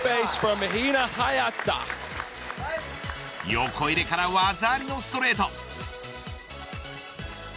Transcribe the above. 横入れから技ありのストレート。